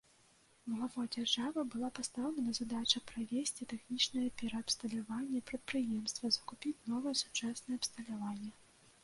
Главой дзяржавы была пастаўлена задача правесці тэхнічнае пераабсталяванне прадпрыемства, закупіць новае сучаснае абсталяванне.